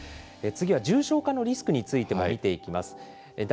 次は重症化のリスクについても見ていきます。